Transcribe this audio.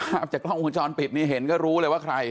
จากกล้องวงจรปิดนี่เห็นก็รู้เลยว่าใคร